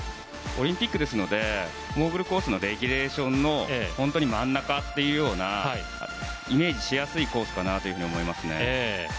オリンピックですのでモーグルコースのレギュレーションの真ん中というようなイメージしやすいコースかなと思いますね。